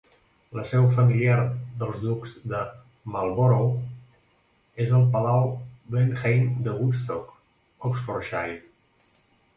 La seu familiar dels Ducs de Marlborough és el Palau Blenheim de Woodstock, Oxfordshire.